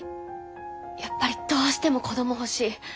やっぱりどうしても子ども欲しい。